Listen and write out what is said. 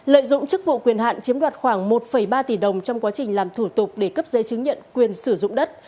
lợi dụng chức vụ quyền hạn chiếm đoạt khoảng một ba tỷ đồng trong quá trình làm thủ tục để cấp giấy chứng nhận quyền sử dụng đất